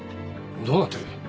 どうなってる？